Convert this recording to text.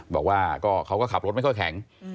บอกว่าเขาก็ขับรถไม่ค่อยแข็ง